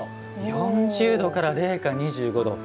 ４０度から零下２５度。